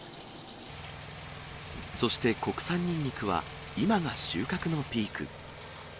そして国産ニンニクは、今が収穫のピーク。